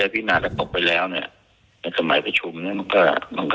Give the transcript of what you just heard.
ถ้าหากยัติใดพินาศกลงไปแล้วเนี่ย